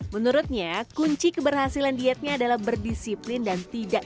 menurutnya kunci keberhasilan dietnya adalah berdisiplin dan tidak